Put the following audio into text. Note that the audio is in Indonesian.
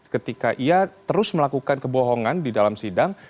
ketika ia terus melakukan kebohongan di dalam sidang